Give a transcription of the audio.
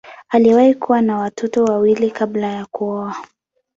Aliwahi kuwa na watoto wawili kabla ya kuoa.